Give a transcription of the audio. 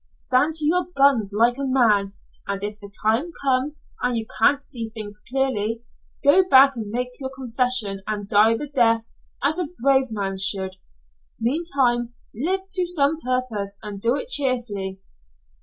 Stand to your guns like a man, and if the time comes and you can't see things differently, go back and make your confession and die the death as a brave man should. Meantime, live to some purpose and do it cheerfully."